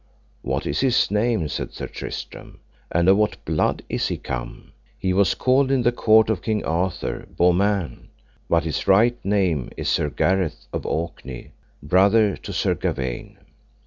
What is his name, said Sir Tristram, and of what blood is he come? He was called in the court of King Arthur, Beaumains, but his right name is Sir Gareth of Orkney, brother to Sir Gawaine.